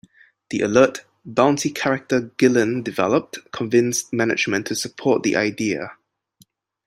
The alert, bouncy character Gillen developed convinced management to support the idea.